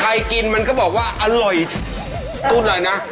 ใครกินมันก็บอกว่าอร่อยตู้ด่อยนะ